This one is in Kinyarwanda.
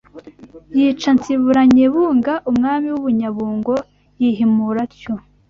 yica Nsibura Nyebunga umwami w’u Bunyabungo yihimura atyo